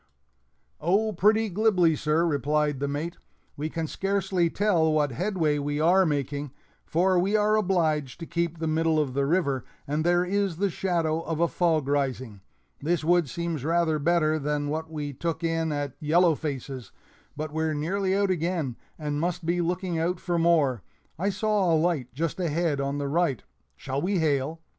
"Oh, pretty glibly, sir," replied the mate; "we can scarcely tell what headway we are making, for we are obliged to keep the middle of the river, and there is the shadow of a fog rising. This wood seems rather better than that we took in at Yellow Face's, but we're nearly out again, and must be looking out for more. I saw a light just ahead on the right shall we hail?"